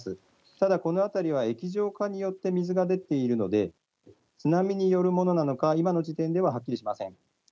ただ、この辺りは液状化によって水が出ているので津波によるものなのか今の時点では、はっきりしません。